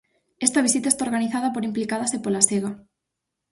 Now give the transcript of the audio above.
Esta visita está organizada por Implicadas e pola Sega.